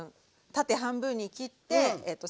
縦半分に切ってえっと